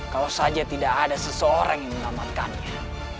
kalau saja tidak ada seseorang yang menyelamatkannya